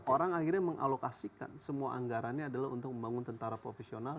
orang akhirnya mengalokasikan semua anggarannya adalah untuk membangun tentara profesional